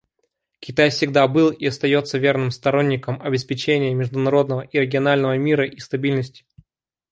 Китай всегда был и остается верным сторонником обеспечения международного и регионального мира и стабильности.